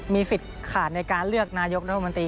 มีสิทธิ์ขาดในการเลือกนายกรัฐมนตรี